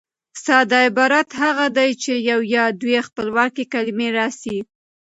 ساده عبارت هغه دئ، چي یوه یا دوې خپلواکي کلیمې راسي.